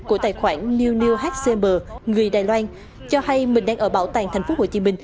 của tài khoản newnewhcm người đài loan cho hay mình đang ở bảo tàng tp hcm